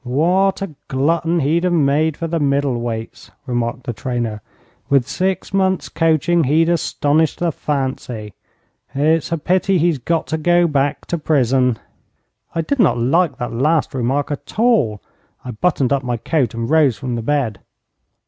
'What a glutton he'd have made for the middle weights,' remarked the trainer; 'with six months' coaching he'd astonish the fancy. It's a pity he's got to go back to prison.' I did not like that last remark at all. I buttoned up my coat and rose from the bed.